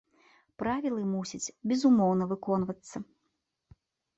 Правілы мусяць безумоўна выконвацца.